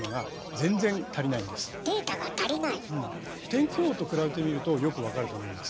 天気予報と比べてみるとよく分かると思います。